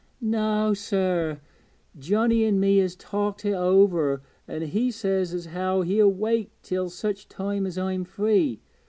'Noä, sir. Johnnie an' me has talked it over, an' he says as how he'll wait till such time as I'm free.